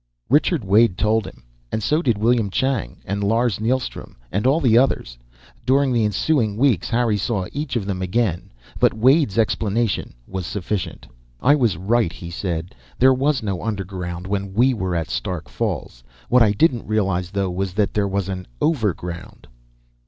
Richard Wade told him. And so did William Chang and Lars Neilstrom and all the others. During the ensuing weeks, Harry saw each of them again. But Wade's explanation was sufficient. "I was right," he said. "There was no Underground when we were at Stark Falls. What I didn't realize, though, was that there was an Overground."